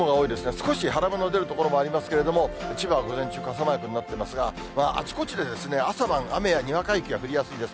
少し晴れ間の出る所もありますけれども、千葉は午前中、傘マークになってますが、あちこちで朝晩、雨やにわか雪が降りやすいです。